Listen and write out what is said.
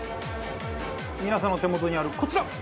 皆さんの手元にあるこちら！